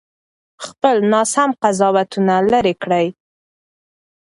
خپل ناسم قضاوتونه لرې کړئ.